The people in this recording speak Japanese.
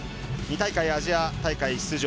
２大会アジア大会出場。